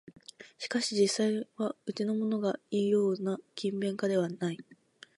しかし実際はうちのものがいうような勤勉家ではない